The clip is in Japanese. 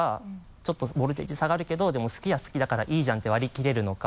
ちょっとボルテージ下がるけどでも好きは好きだからいいじゃんって割り切れるのか。